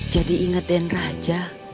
jadi inget deh nraja